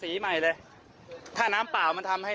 ไม่เมื่อกี้ฉันเห็นคนเดินผ่านไปมันก็ไม่ลาด